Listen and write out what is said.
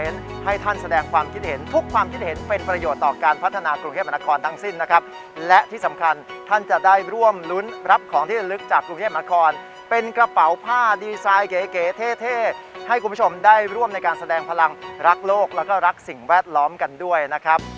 ดีไซน์เก๋เก๋เท่เท่ให้คุณผู้ชมได้ร่วมในการแสดงพลังรักโลกแล้วก็รักสิ่งแวดล้อมกันด้วยนะครับ